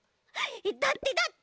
だってだって。